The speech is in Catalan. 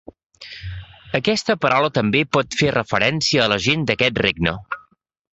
Aquesta paraula també pot fer referència a la gent d'aquest regne.